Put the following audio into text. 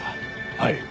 はい。